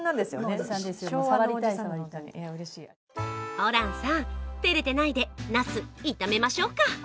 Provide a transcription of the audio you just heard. ホランさん、照れてないでなす、炒めましょうか。